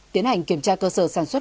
tiến hành kiểm tra cơ sở sản xuất